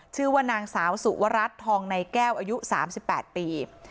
ชื่อว่านางสาวสุวรัตน์ทองในแก้วอายุสามสิบแปดปี